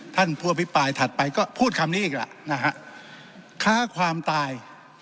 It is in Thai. ท่านผู้อภิปรายถัดไปก็พูดคำนี้อีกล่ะนะฮะค้าความตาย